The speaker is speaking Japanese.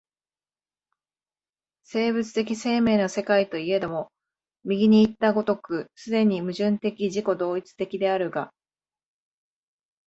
生物的生命の世界といえども、右にいった如く既に矛盾的自己同一的であるが、